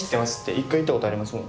一回行ったことありますもん。